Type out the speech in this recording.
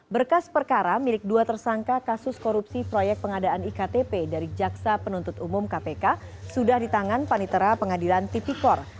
berkas perkara milik dua tersangka kasus korupsi proyek pengadaan iktp dari jaksa penuntut umum kpk sudah di tangan panitera pengadilan tipikor